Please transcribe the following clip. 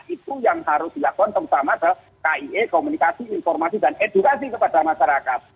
itu yang harus dilakukan terutama ke kie komunikasi informasi dan edukasi kepada masyarakat